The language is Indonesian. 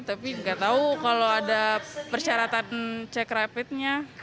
tapi nggak tahu kalau ada persyaratan cek rapidnya